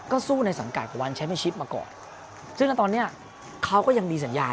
ก็สู้ในสังการวันมาก่อนซึ่งอะตอนนี้เค้าก็ยังมีสัญญา